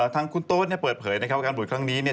ทางคุณโต๊ดเนี่ยเปิดเผยนะครับว่าการบวชครั้งนี้เนี่ย